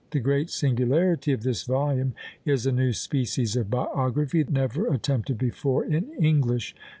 The great singularity of this volume is "a new species of biography never attempted before in English."